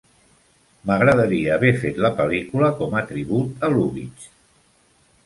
"M'agradaria haver fet la pel·lícula com a tribut a Lubitsch.